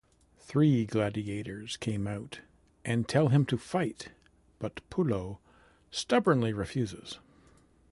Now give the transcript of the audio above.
Three gladiators come out and tell him to fight, but Pullo stubbornly refuses.